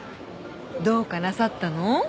どうかなさったの？